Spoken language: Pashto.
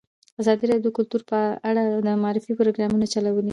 ازادي راډیو د کلتور په اړه د معارفې پروګرامونه چلولي.